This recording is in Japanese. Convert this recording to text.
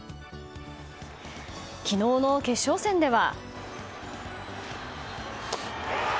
昨日の決勝戦では。